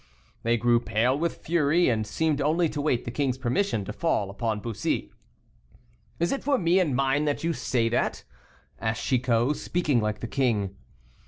They grew pale with fury, and seemed only to wait the king's permission to fall upon Bussy. "Is it for me and mine that you say that?" asked Chicot, speaking like the king.